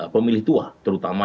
pemilih tua terutama